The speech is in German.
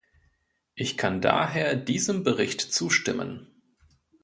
Ich kann daher diesem Bericht zustimmen.